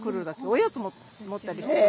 おやつ持ったりして？